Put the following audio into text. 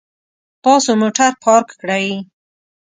تاسو موټر پارک کړئ